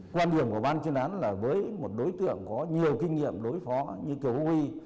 quan điểm của ban chuyên án là với một đối tượng có nhiều kinh nghiệm đối phó như kiều hối huy